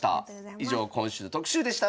以上今週の特集でした。